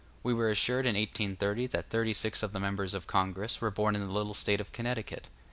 We were assured in 1830 that thirty six of the members of Congress were born in the little State of Connecticut.